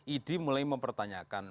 idy mulai mempertanyakan